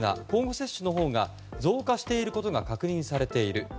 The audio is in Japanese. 交互接種のほうが増加していることが確認されている。